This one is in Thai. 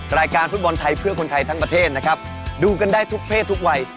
รายการฟุตบอลไทยเพื่อคนไทยทั้งประเทศนะครับดูกันได้ทุกเพศทุกวัย